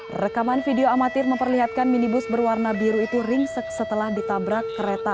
hai rekaman video amatir memperlihatkan minibus berwarna biru itu ringsek setelah ditabrak kereta